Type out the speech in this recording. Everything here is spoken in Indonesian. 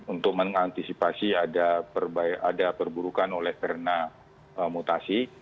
untuk mengantisipasi ada perburukan oleh karena mutasi